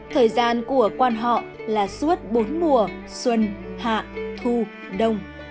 thời gian của quan họ là suốt bốn mùa xuân hạ thu đông